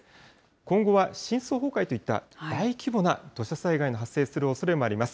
今後は深層崩壊といった大規模な土砂災害の発生するおそれもあります。